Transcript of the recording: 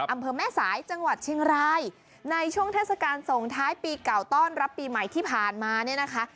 อำเภอแม่สายจังหวัดเชียงรายในช่วงเทศกาลส่งท้ายปีเก่าต้อนรับปีใหม่ที่ผ่านมาเนี่ยนะคะ